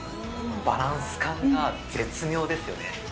バランス感が絶妙ですよね。